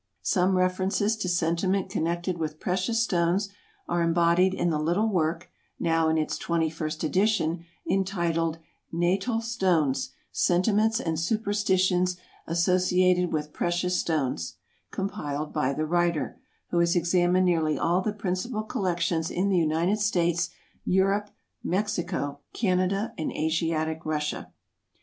Some references to sentiment connected with precious stones are embodied in the little work, now in its 21st edition, entitled: "Natal Stones, Sentiments and Superstitions Associated with Precious Stones," compiled by the writer, who has examined nearly all the principal collections in the United States, Europe, Mexico, Canada, and Asiatic Russia.